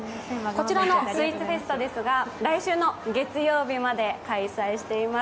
こちらのスイーツフェスタですが来週の月曜日まで開催しています。